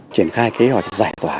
triển khai kế hoạch giải thoả